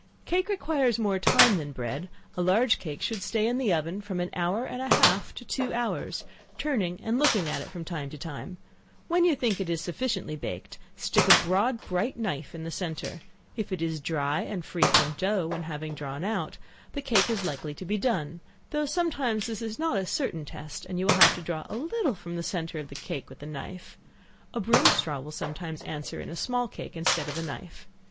Cake requires more time than bread: a large cake should stay in the oven from an hour and a half to two hours, turning and looking at it from time to time; when you think it is sufficiently baked, stick a broad bright knife in the centre; if it is dry and free from dough when drawn out, the cake is likely to be done, though sometimes this is not a certain test, and you will have to draw a little from the centre of the cake with the knife. A broom straw will sometimes answer in a small cake instead of a knife.